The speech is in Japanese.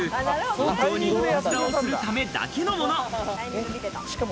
本当にいたずらをするためだけのもの。